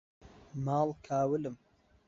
ماڵ کاولم